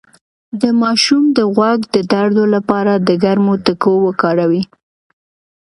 د ماشوم د غوږ د درد لپاره د ګرمو تکو وکاروئ